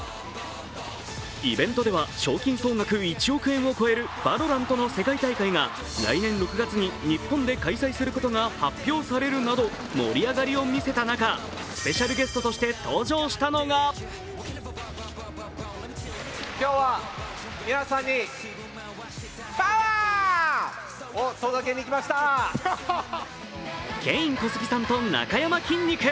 イベントでは賞金総額１億円を超える「ＶＡＬＯＲＡＮＴ」の世界大会が来年６月に日本で開催されることが発表されるなど盛り上がりをみせた中、スペシャルゲストとして登場したのがケイン・コスギさんとなかやまきんに君。